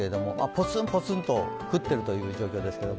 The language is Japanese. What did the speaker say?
ぽつんぽつんと降っている状況ですね。